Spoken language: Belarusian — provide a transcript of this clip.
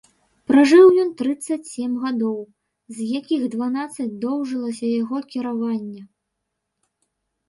Пражыў ён трыццаць сем гадоў, з якіх дванаццаць доўжылася яго кіраванне.